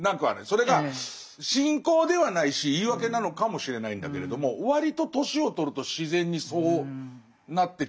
それが信仰ではないし言い訳なのかもしれないんだけれども割と年を取ると自然にそうなってきてるなとは思うんですけど。